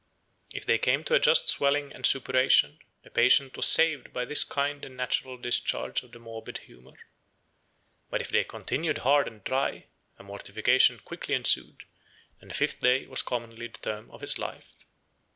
If they came to a just swelling and suppuration, the patient was saved by this kind and natural discharge of the morbid humor. But if they continued hard and dry, a mortification quickly ensued, and the fifth day was commonly the term of his life.